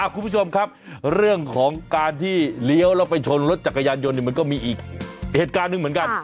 คุณผู้ชมครับเรื่องของการที่เลี้ยวแล้วไปชนรถจักรยานยนต์มันก็มีอีกเหตุการณ์หนึ่งเหมือนกัน